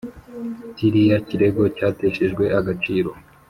cyiriya cyirego cyateshejwe agaciro